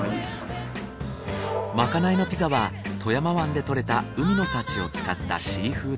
まかないのピザは富山湾で獲れた海の幸を使ったシーフードピザ。